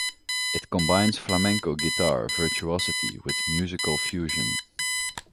It combines flamenco guitar virtuosity with musical fusion.